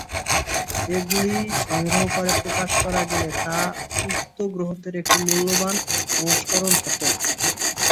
এগুলি সংগ্রহ করে প্রকাশ করা গেলে তা উক্ত গ্রন্থের একটি মূল্যবান সংস্করণ হত।